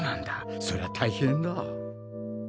そりゃ大変だ。